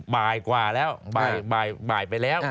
บ่ายกว่าแล้วบ่ายไปแล้ว